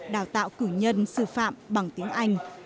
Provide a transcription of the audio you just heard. đào tạo cử nhân sư phạm bằng tiếng anh